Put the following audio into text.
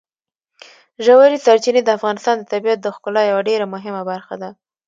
ژورې سرچینې د افغانستان د طبیعت د ښکلا یوه ډېره مهمه برخه ده.